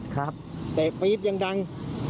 กลับวันนั้นไม่เอาหน่อย